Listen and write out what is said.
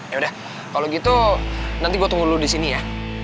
yaudah kalo gitu nanti gue tunggu lo disini ya